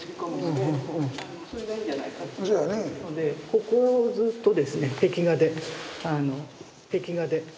ここをずっとですね壁画で壁画で。